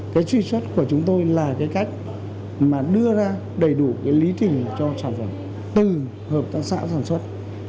cái truy xuất của chúng tôi là cái cách mà đưa ra đầy đủ cái lý trình cho sản phẩm từ hợp tác xã sản xuất